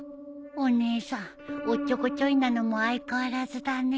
お姉さんおっちょこちょいなのも相変わらずだね